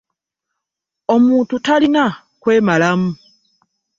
Omuntu talina kwemalamu.